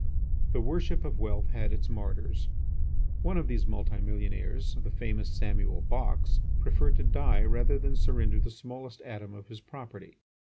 The worship of wealth had its martyrs. One of these multi millionaires, the famous Samuel Box, preferred to die rather than surrender the smallest atom of his property.